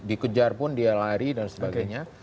dikejar pun dia lari dan sebagainya